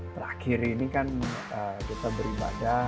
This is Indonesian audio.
terakhir ini kan kita beribadah